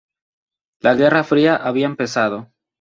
La Guerra Fría había empezado.